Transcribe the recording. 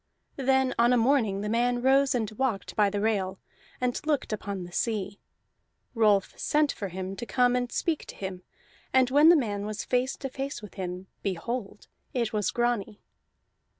Then on a morning the man rose and walked by the rail, and looked upon the sea. Rolf sent for him to come and speak to him, and when the man was face to face with him, behold, it was Grani!